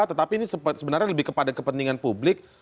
tetapi ini sebenarnya lebih kepada kepentingan publik